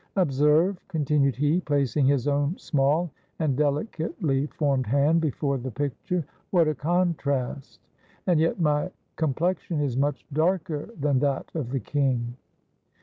Observe," continued he, placing his own small and delicately formed hand before the picture, " what a contrast !— and yet, my complex ion is much darker than that of the king."